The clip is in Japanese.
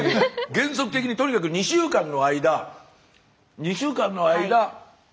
原則的にとにかく２週間の間２週間の間。